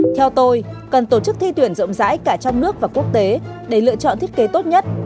theo tôi cần tổ chức thi tuyển rộng rãi cả trong nước và quốc tế để lựa chọn thiết kế tốt nhất